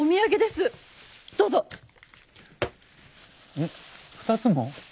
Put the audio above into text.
えっ２つも？